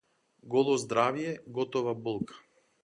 Голо здравје, готова болка.